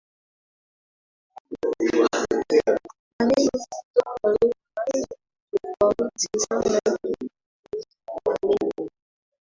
maneno kutoka lugha tofauti sana kikitumia maneno